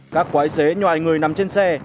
các quái xế nhòi người nằm trên xe